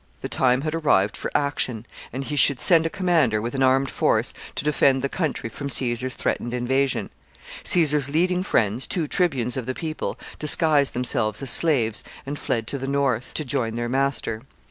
The time had arrived for action, and he should send a commander, with an armed force, to defend the country from Caesar's threatened invasion. Caesar's leading friends, two tribunes of the people, disguised themselves as slaves, and fled to the north to join their master.